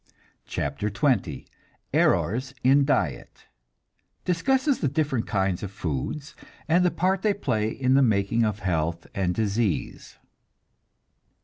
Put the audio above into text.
CHAPTER XX ERRORS IN DIET (Discusses the different kinds of foods, and the part they play in the making of health and disease.)